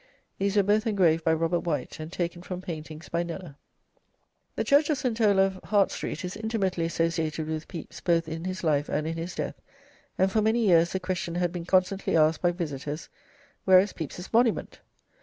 These were both engraved by Robert White, and taken from paintings by Kneller. The church of St. Olave, Hart Street, is intimately associated with Pepys both in his life and in his death, and for many years the question had been constantly asked by visitors, "Where is Pepys's monument?"